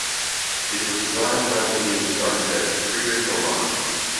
It was designed by the Viennese architect Friedrich Ohmann.